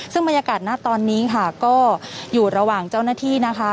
ซึ่งบรรยากาศณตอนนี้ค่ะก็อยู่ระหว่างเจ้าหน้าที่นะคะ